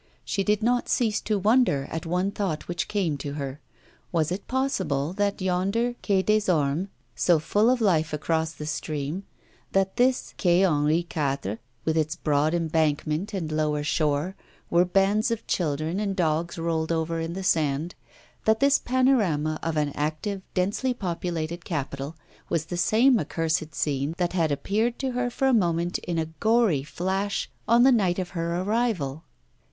She did not cease to wonder at one thought which came to her. Was it possible that yonder Quai des Ormes, so full of life across the stream, that this Quai Henri IV., with its broad embankment and lower shore, where bands of children and dogs rolled over in the sand, that this panorama of an active, densely populated capital was the same accursed scene that had appeared to her for a moment in a gory flash on the night of her arrival?